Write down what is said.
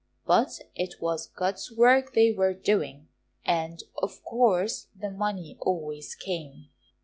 But it was God's work they were doing, and of course the money always came.